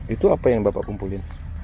itu apa yang bapak kumpulin